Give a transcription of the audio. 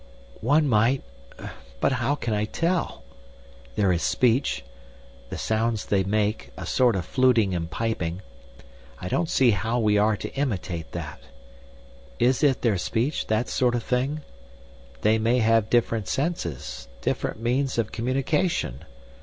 "One might.... But how can I tell? There is speech. The sounds they make, a sort of fluting and piping. I don't see how we are to imitate that. Is it their speech, that sort of thing? They may have different senses, different means of communication.